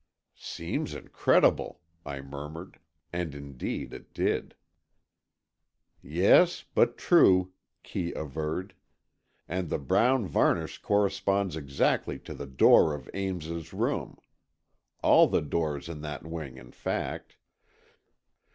"Seems incredible," I murmured, and indeed it did. "Yes, but true," Kee averred. "And the brown varnish corresponds exactly to the door of Ames's room, all the doors in that wing, in fact."